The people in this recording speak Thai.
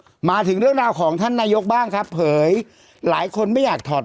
มาถึงเรื่องราวของท่านนายกบ้างครับเผยหลายคนไม่อยากถอด